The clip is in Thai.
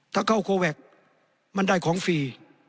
ถ้าเข้าโคแวคมันได้ของฟรี